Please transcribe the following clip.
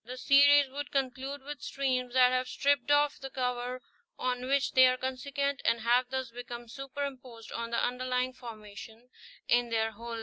The series would conclude with streams that have stripped off the cover on which they were consequent, and have thus become superimposed on the underlying formation in their whole length.